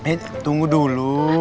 eh tunggu dulu